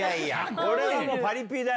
これはもう、パリピだよ。